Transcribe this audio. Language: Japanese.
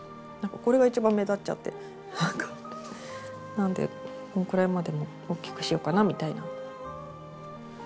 なんでこんぐらいまでおっきくしようかなみたいな感じで。